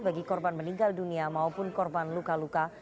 bagi korban meninggal dunia maupun korban luka luka